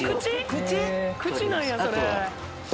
口なんやそれ。